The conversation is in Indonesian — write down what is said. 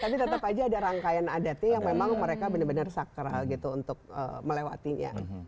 tapi tetap aja ada rangkaian adatnya yang memang mereka benar benar sakral gitu untuk melewatinya